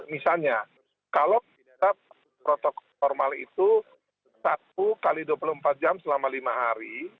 misalnya kalau kita protokol formal itu satu x dua puluh empat jam selama lima hari